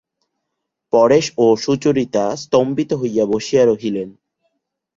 পরেশ ও সুচরিতা স্তম্ভিত হইয়া বসিয়া রহিলেন।